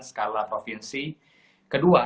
skala provinsi kedua